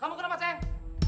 kamu kenapa sayang